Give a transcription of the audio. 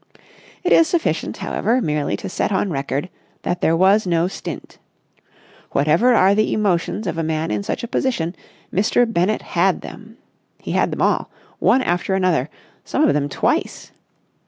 It is sufficient, however, merely to set on record that there was no stint. Whatever are the emotions of a man in such a position, Mr. Bennett had them. He had them all, one after another, some of them twice.